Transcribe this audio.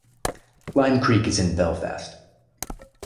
Lime Creek is in Belfast.